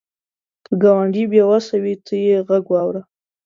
که ګاونډی بې وسه وي، ته یې غږ واوره